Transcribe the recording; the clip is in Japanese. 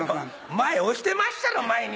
前押してまっしゃろ前に！